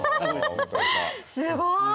すごい！